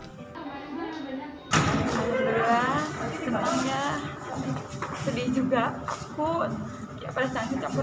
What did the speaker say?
selamat pagi selamat pagi